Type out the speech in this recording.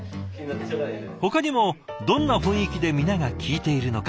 ほかにもどんな雰囲気で皆が聞いているのか